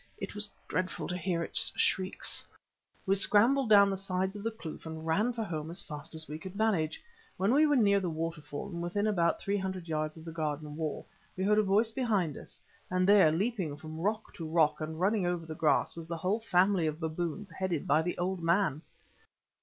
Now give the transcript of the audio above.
It was dreadful to hear its shrieks. "We scrambled down the sides of the kloof and ran for home as fast as we could manage. When we were near the waterfall, and within about three hundred yards of the garden wall, we heard a voice behind us, and there, leaping from rock to rock, and running over the grass, was the whole family of baboons headed by the old man.